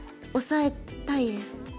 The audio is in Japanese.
オサえたいです。